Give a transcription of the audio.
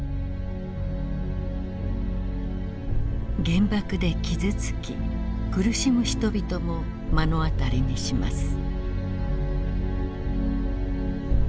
原爆で傷つき苦しむ人々も目の当たりにします。